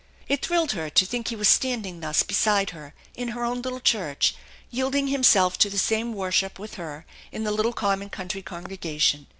It thrilled her to think ha was standing thus beside her in her own little church, yielding himself to the same worship with her in the little common country congregation.